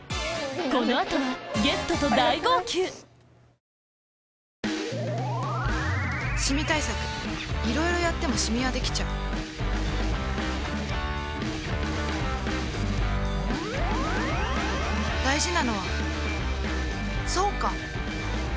この後はゲストと大号泣シミ対策いろいろやってもシミはできちゃう大事なのはそうか！